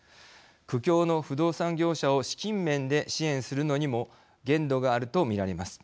苦境の不動産業者を資金面で支援するのにも限度があると見られます。